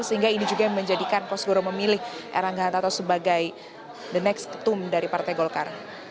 sehingga ini juga yang menjadikan kosgoro memilih erlangga hartato sebagai the next tomb dari partai golkar